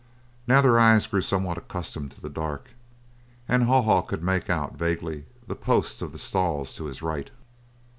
Now their eyes grew somewhat accustomed to the dark and Haw Haw could make out, vaguely, the posts of the stalls to his right.